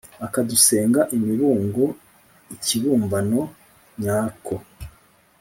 akadusenga imibungo ikibumbano nyako